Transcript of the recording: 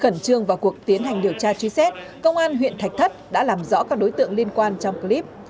khẩn trương vào cuộc tiến hành điều tra truy xét công an huyện thạch thất đã làm rõ các đối tượng liên quan trong clip